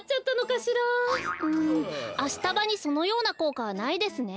うんアシタバにそのようなこうかはないですね。